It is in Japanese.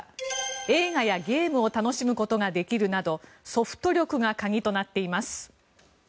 映画やゲームを楽しむことができるなどソフト力が鍵となっています。